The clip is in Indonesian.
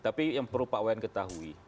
tapi yang perlu pak wayan ketahui